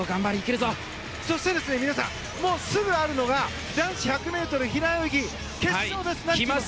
そして皆さんすぐあるのが男子１００ｍ平泳ぎ決勝。